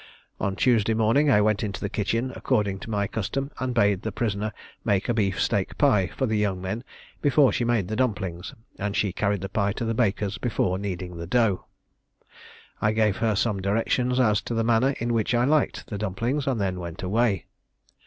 On Tuesday morning I went into the kitchen according to my custom, and I bade the prisoner make a beef steak pie for the young men before she made the dumplings, and she carried the pie to the baker's before kneading the dough. I gave her some directions as to the manner in which I liked the dumplings, and then went away.